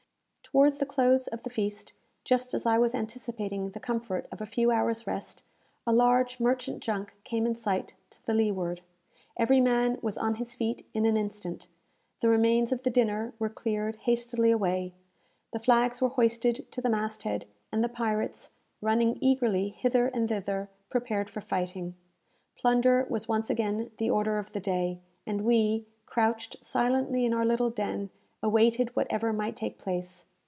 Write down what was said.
Towards the close of the feast, just as I was anticipating the comfort of a few hours' rest, a large merchant junk came in sight to the leeward. Every man was on his feet in an instant, the remains of the dinner were cleared hastily away, the flags were hoisted to the mast head, and the pirates, running eagerly hither and thither, prepared for fighting. Plunder was once again the order of the day, and we, crouched silently in our little den, awaited whatever might take place.